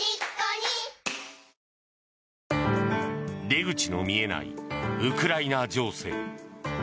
出口の見えないウクライナ情勢。